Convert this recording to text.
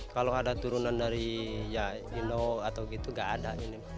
kalau ada turunan dari indo atau gitu nggak ada